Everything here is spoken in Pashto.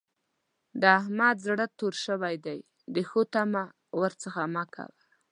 د احمد زړه تور شوی دی؛ د ښو تمه مه ور څځه کوئ.